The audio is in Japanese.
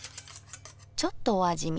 ちょっとお味見。